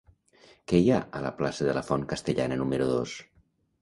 Què hi ha a la plaça de la Font Castellana número dos?